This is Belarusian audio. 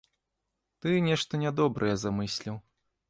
Ты нешта нядобрае замысліў.